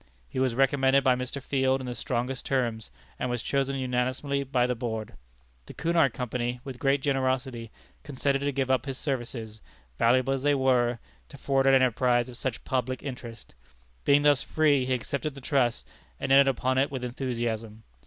He was recommended by Mr. Field in the strongest terms, and was chosen unanimously by the Board. The Cunard Company, with great generosity, consented to give up his services, valuable as they were, to forward an enterprise of such public interest. Being thus free, he accepted the trust, and entered upon it with enthusiasm.